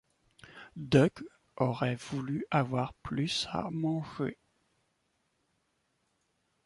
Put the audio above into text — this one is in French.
Buck aurait voulu avoir plus à manger.